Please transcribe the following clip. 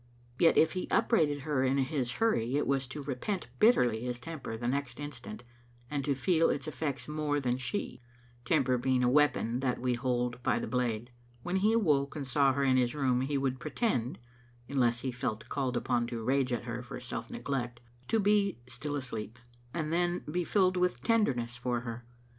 Yet if he upbraided her in his hurry, it was to repent bitterly his temper the next instant, and to feel its effects more than she, temper being a weapon that we hold by the blade. When he awoke and saw her in his room he would pre tend, unless he felt called upon to rage at her for self neglect, to be still asleep, and then be filled with tenderness for her.